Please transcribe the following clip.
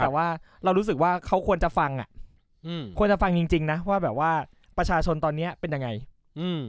แต่ว่าเรารู้สึกว่าเขาควรจะฟังอ่ะอืมควรจะฟังจริงจริงนะว่าแบบว่าประชาชนตอนเนี้ยเป็นยังไงอืม